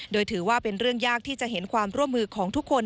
โดยถือว่าเป็นเรื่องยากที่จะเห็นความร่วมมือของทุกคน